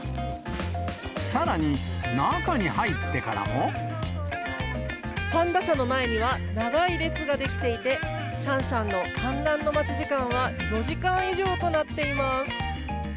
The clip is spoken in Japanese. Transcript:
さらに、パンダ舎の前には長い列が出来ていて、シャンシャンの観覧の待ち時間は４時間以上となっています。